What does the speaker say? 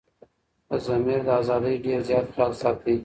دضمير دازادي ډير زيات خيال ساتي